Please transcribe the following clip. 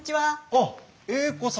あっ栄子さん！